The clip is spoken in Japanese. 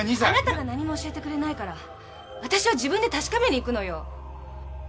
何も教えてくれないからわたしは自分で確かめに行くのよ！